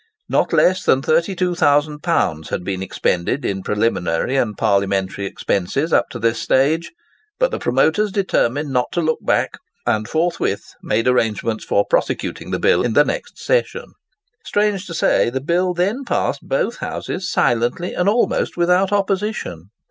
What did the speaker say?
Not less than £32,000 had been expended in preliminary and parliamentary expenses up to this stage; but the promoters determined not to look back, and forthwith made arrangements for prosecuting the bill in the next session. Strange to say, the bill then passed both Houses silently and almost without opposition.